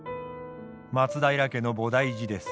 松平家の菩提寺です。